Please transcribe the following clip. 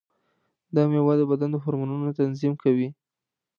دا مېوه د بدن د هورمونونو تنظیم کوي.